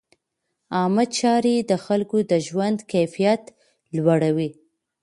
عامه چارې د خلکو د ژوند کیفیت لوړوي.